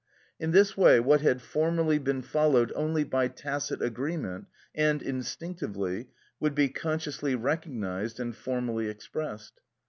In this way what had formerly been followed only by tacit agreement, and instinctively, would be consciously recognised and formally expressed.